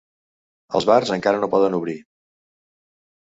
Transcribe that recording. Els bars encara no poden obrir.